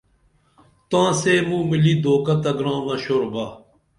تاں سے موں ملی دوکہ تہ گرامہ شور با